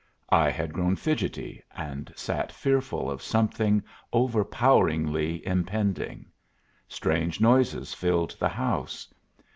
I had grown fidgety, and sat fearful of something overpoweringly impending. Strange noises filled the house.